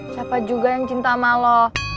siapa juga yang cinta sama lo